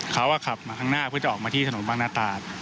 เขาขับมาข้างหน้าเพื่อจะออกมาที่ถนนบางนาตราด